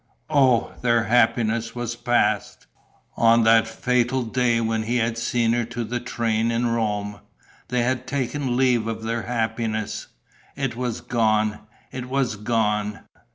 Oh, their happiness was past! On that fatal day when he had seen her to the train in Rome, they had taken leave of their happiness. It was gone, it was gone!